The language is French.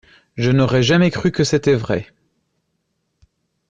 Je n’aurais jamais cru que c’était vrai.